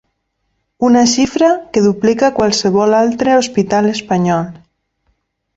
Una xifra que duplica qualsevol altre hospital espanyol.